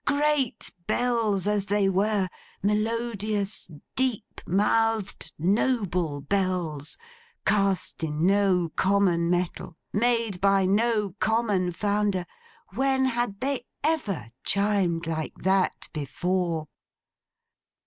Great Bells as they were; melodious, deep mouthed, noble Bells; cast in no common metal; made by no common founder; when had they ever chimed like that, before!